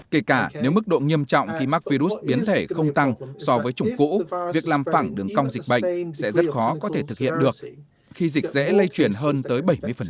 kể cả nếu mức độ nghiêm trọng khi mắc virus biến thể không tăng so với chủng cũ việc làm phẳng đường cong dịch bệnh sẽ rất khó có thể thực hiện được khi dịch dễ lây chuyển hơn tới bảy mươi